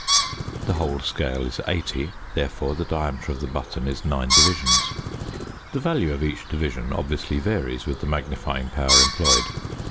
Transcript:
The whole scale is 80, therefore the diameter of the button is 9 divisions. The value of each division obviously varies with the magnifying power employed.